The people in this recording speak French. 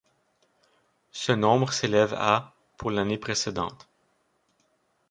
Ce nombre s'élève à pour l'année précédente.